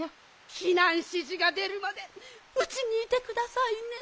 ひなんしじがでるまでうちにいてくださいね。